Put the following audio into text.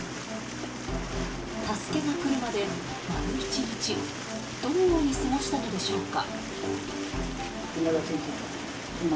助けが来るまで、丸１日どのように過ごしたのでしょうか。